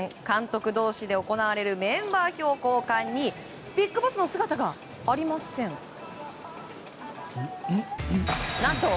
監督同士で行われるメンバー表交換にビッグボスの姿がありません。